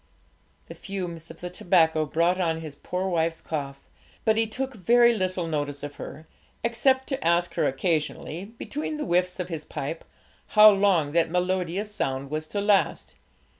The fumes of the tobacco brought on his poor wife's cough, but he took very little notice of her, except to ask her occasionally, between the whiffs of his pipe, how long that melodious sound was to last.